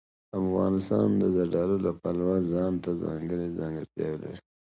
افغانستان د زردالو له پلوه ځانته ځانګړې ځانګړتیاوې لري.